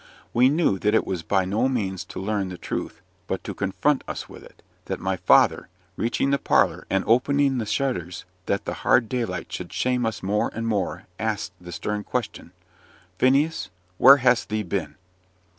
We knew that it was by no means to learn the truth, but to confront us with it, that my father reaching the parlour, and opening the shutters that the hard daylight should shame us more and more asked the stern question "Phineas, where hast thee been?"